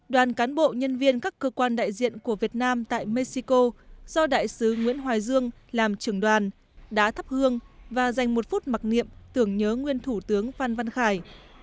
đoàn cán bộ nhân viên các cơ quan đại diện của việt nam tại mexico do đại sứ nguyễn hoài dương làm trưởng đoàn đã thắp hương và dành một phút mặc niệm tưởng nhớ nguyên thủ tướng phan văn khải